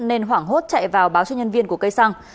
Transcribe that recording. nên hoảng hốt chạy vào báo cho nhân viên của cây xăng